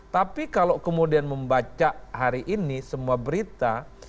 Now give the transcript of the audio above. tapi kalau kemudian membaca hari ini semua berita